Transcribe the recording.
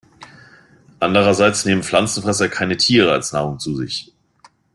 Andererseits nehmen Pflanzenfresser keine Tiere als Nahrung zu sich.